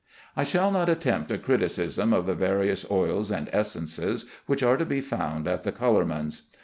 I shall not attempt a criticism of the various oils and essences which are to be found at the color man's.